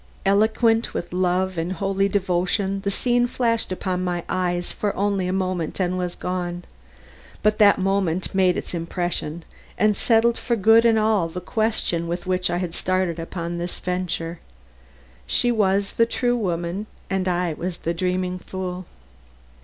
Eloquent with love and holy devotion the scene flashed upon my eyes for a moment and was gone. But that moment made its impression, and settled for good and all the question with which I had started upon this adventure. She was the true woman and I was the dreaming fool.